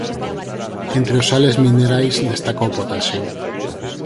Entre os sales minerais destaca o potasio.